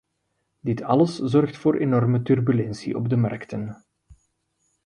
Dit alles zorgt voor enorme turbulentie op de markten.